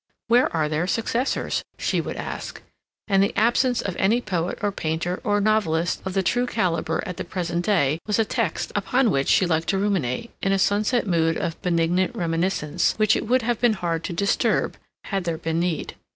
Where are their successors? she would ask, and the absence of any poet or painter or novelist of the true caliber at the present day was a text upon which she liked to ruminate, in a sunset mood of benignant reminiscence, which it would have been hard to disturb had there been need.